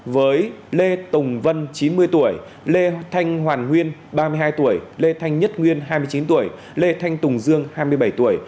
với lê tùng vân chín mươi tuổi lê thanh hoàn nguyên ba mươi hai tuổi lê thanh nhất nguyên hai mươi chín tuổi lê thanh tùng dương hai mươi bảy tuổi